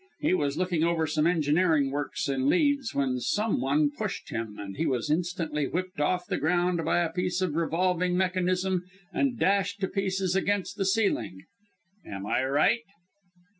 He was looking over some engineering works in Leeds, when some one pushed him, and he was instantly whipped off the ground by a piece of revolving mechanism and dashed to pieces against the ceiling. Am I right?"